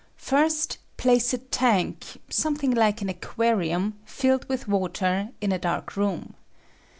First, place a tank, something like an aquarium, filled with water, in a dark room.